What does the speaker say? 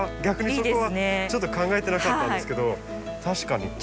逆にそこはちょっと考えてなかったんですけど確かに。